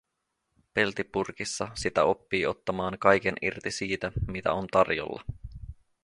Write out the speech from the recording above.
Peltipurkissa sitä oppii ottamaan kaiken irti siitä, mitä on tarjolla.